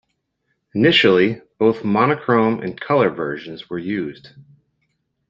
Initially, both monochrome and colour versions were used.